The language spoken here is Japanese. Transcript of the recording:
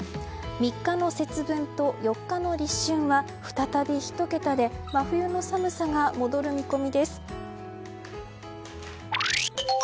３日の節分と４日の立春は再び１桁で真冬の寒さが戻る見込みです。